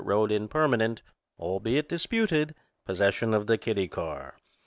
rode in permanent, albeit disputed, possession of the kiddie car.